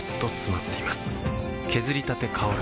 削りたて香る